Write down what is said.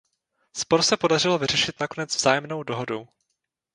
Spor se podařilo vyřešit nakonec vzájemnou dohodou.